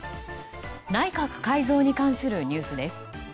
内閣改造に関するニュースです。